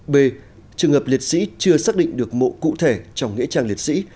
b trường hợp liệt sĩ chưa xác định được mộ cụ thể trong nghĩa trang liệt sĩ